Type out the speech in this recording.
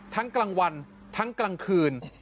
กลางวันทั้งกลางคืน